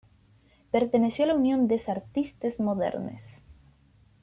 Perteneció a la Union des Artistes Modernes.